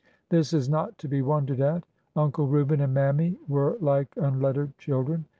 This is not to be wondered at. Uncle Reuben and Mammy were like unlettered chil dren.